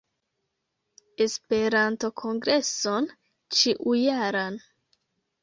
Esperanto-kongreson ĉiujaran